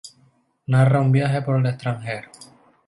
Narra un viaje por el extranjero.